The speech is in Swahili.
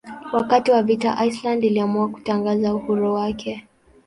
Wakati wa vita Iceland iliamua kutangaza uhuru wake.